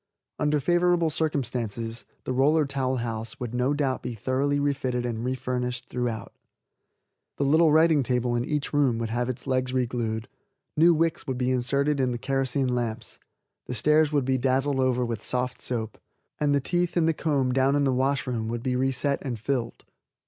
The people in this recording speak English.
Under favorable circumstances the Roller Towel House would no doubt be thoroughly refitted and refurnished throughout. The little writing table in each room would have its legs reglued, new wicks would be inserted in the kerosene lamps, the stairs would be dazzled over with soft soap, and the teeth in the comb down in the wash room would be reset and filled.